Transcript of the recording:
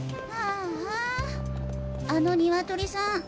あああのニワトリさん